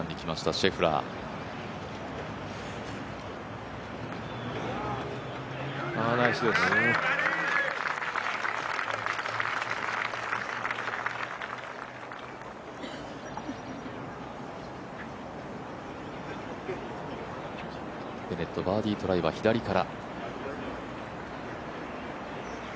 シェフラーベネット、バーディートライは左から。